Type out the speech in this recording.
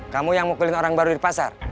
kamu yang mukulin orang baru di pasar